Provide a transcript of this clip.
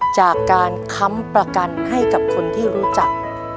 จากการค้ำประกันให้กับคนที่รู้จัก